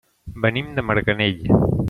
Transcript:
Venim de Marganell.